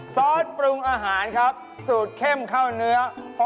ซอสปรุงอาหารครับสูตรเข้มข้าวเนื้อ